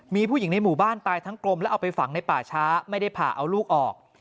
มีผู้หญิงในหมู่บ้านตายทั้งกลมแล้วเอาไปฝังในป่าช้าไม่ได้ผ่าเอาลูกออก